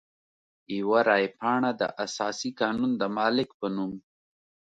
یوه رای پاڼه د اساسي قانون د مالک په نوم.